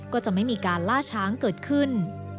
ก็จะไม่มีการล่าช้างเกิดขึ้น